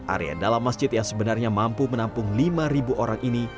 area dalam masjid yang sebenarnya mampu menampung lima orang ini